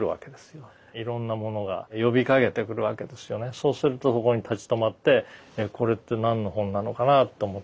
そうするとそこに立ち止まってこれって何の本なのかなと思って読みながら。